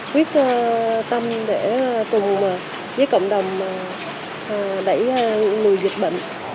quyết tâm để cùng với cộng đồng đẩy lùi dịch bệnh